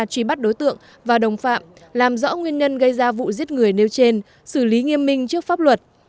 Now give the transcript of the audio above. truy bắt đối tượng và đồng phạm làm rõ nguyên nhân gây ra vụ giết người nêu trên xử lý nghiêm minh trước pháp luật